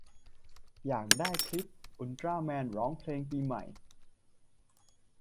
อยากได้คลิปอุลตร้าแมนร้องเพลงปีใหม่